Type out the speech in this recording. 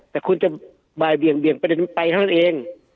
แต่คุณจะบ่ายเบี่ยงไปทั้งนั้นเอง